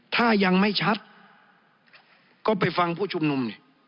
ถ้ายังไม่ชัดก็ไปฟังผู้ชุมนุมนี่